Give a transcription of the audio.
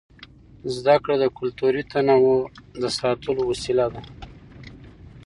زده کړه د کلتوري تنوع د ساتلو وسیله ده.